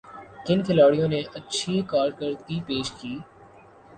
کن کھلاڑیوں نے اچھی کارکردگی پیش کی